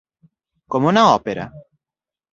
Como na ópera?